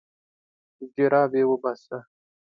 جرابې وباسه.